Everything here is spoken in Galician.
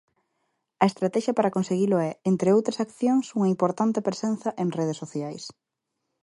A estratexia para conseguilo é, entre outras actuacións, unha importante presenza en redes sociais.